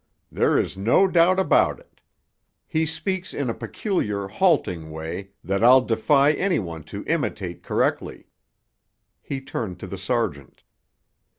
"There is no doubt about it. He speaks in a peculiar, halting way that I'll defy any one to imitate correctly." He turned to the sergeant.